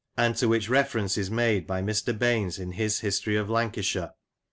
and to which reference is made by Mr. Baines, in his " History of Lanca * Hist.